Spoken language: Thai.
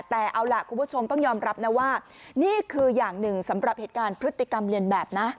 แต่เอาล่ะคุณผู้ชมต้องยอมรับนะว่านี่คืออย่างหนึ่งสำหรับเหตุการณ์พฤติกรรมเรียนแบบนะ